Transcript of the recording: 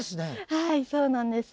はいそうなんです。